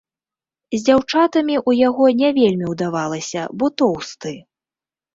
З дзяўчатамі ў яго не вельмі ўдавалася, бо тоўсты.